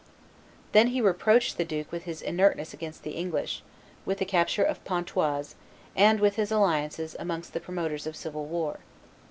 Then he reproached the duke with his inertness against the English, with the capture of Pontoise, and with his alliances amongst the promoters of civil war.